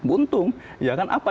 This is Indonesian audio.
buntung ya kan apa